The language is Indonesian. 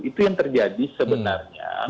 itu yang terjadi sebenarnya